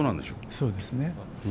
そうですね。